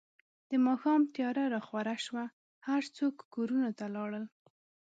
د ماښام تیاره راخوره شوه، هر څوک کورونو ته لاړل.